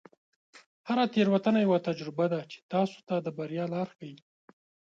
هره تیروتنه یوه تجربه ده چې تاسو ته د بریا لاره ښیي.